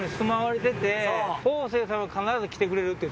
正さんは必ず来てくれるって。